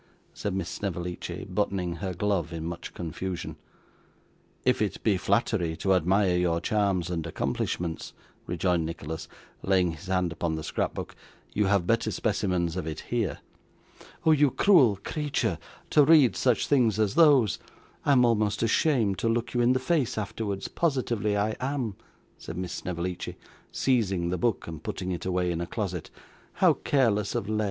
said Miss Snevellicci, buttoning her glove in much confusion. 'If it be flattery to admire your charms and accomplishments,' rejoined Nicholas, laying his hand upon the scrapbook, 'you have better specimens of it here.' 'Oh you cruel creature, to read such things as those! I'm almost ashamed to look you in the face afterwards, positively I am,' said Miss Snevellicci, seizing the book and putting it away in a closet. 'How careless of Led!